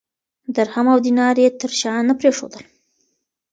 درهم او دینار یې تر شا نه پرېښودل.